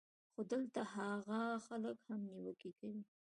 خو دلته هاغه خلک هم نېوکې کوي